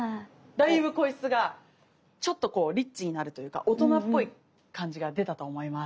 だいぶ声質がちょっとこうリッチになるというか大人っぽい感じが出たと思います。